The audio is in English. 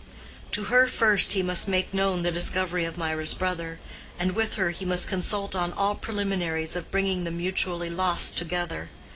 To her first he must make known the discovery of Mirah's brother, and with her he must consult on all preliminaries of bringing the mutually lost together.